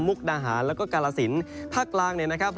มุคนะหาแล้วก็กาละสินเผาเค้าภาคหล่างหลังนี้นะครับ